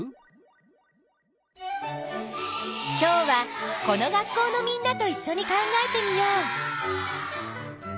今日はこの学校のみんなといっしょに考えてみよう。